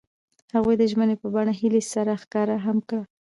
هغوی د ژمنې په بڼه هیلې سره ښکاره هم کړه.